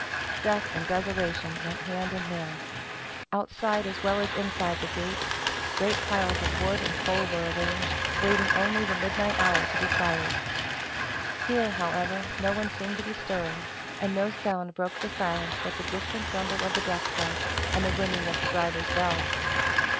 Death and Desolation went hand in hand. Outside as well as inside the gates, great piles of wood and coal were arranged, waiting only the midnight hour to be fired. Here, however, no one seemed to be stirring; and no sound broke the silence but the distant rumble of the death cart, and the ringing of the driver's bell.